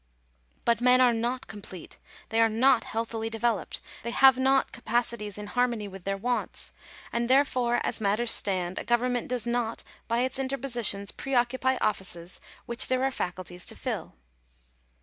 "But men are not complete; they are not healthily de veloped ; they have not capacities in harmony with their wants ; and therefore, as matters stand, a government does not by its interpositions preoccupy offices which there are faculties to fill."